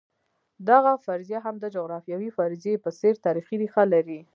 دغه فرضیه هم د جغرافیوي فرضیې په څېر تاریخي ریښه لري.